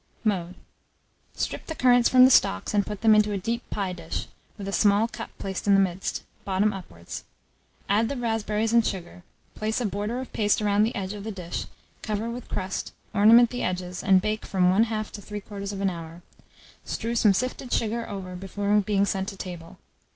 Mode. Strip the currants from the stalks, and put them into a deep pie dish, with a small cup placed in the midst, bottom upwards; add the raspberries and sugar; place a border of paste round the edge of the dish, cover with crust, ornament the edges, and bake from 1/2 to 3/4 hour: strew some sifted sugar over before being sent to table.